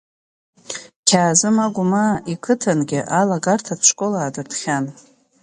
Қьаазым Агәмаа иқыҭангьы алагарҭатә школ аадыртхьан.